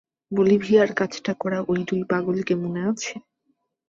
বলিভিয়ার কাজটা করা ওই দুই পাগলাকে মনে আছে?